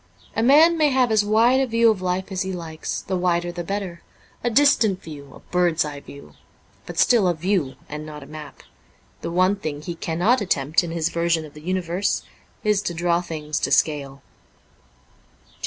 A man may have as wide a view of life as he likes, the wider the better : a distant view, a bird's eye view, but still a view and not a map. The one thing he cannot attempt in his version of the universe is to draw things to scale.